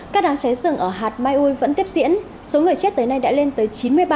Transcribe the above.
các đám cháy rừng ở hạt mai ui vẫn tiếp diễn số người chết tới nay đã lên tới chín mươi ba